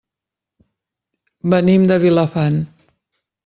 Venim de Vilafant.